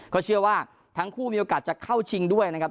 ก็เชื่อว่าทั้งคู่มีโอกาสจะเข้าชิงด้วยนะครับ